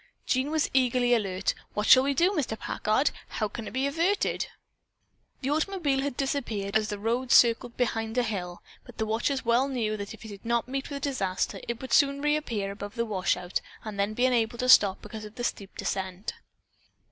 Jean was eagerly alert. "What shall we do, Mr. Packard? How can it be averted?" The automobile had disappeared as the road circled behind a hill, but the watchers well knew that if it did not meet with disaster it would soon reappear above the washout and then be unable to stop because of the steep descent.